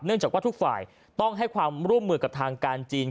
จากว่าทุกฝ่ายต้องให้ความร่วมมือกับทางการจีน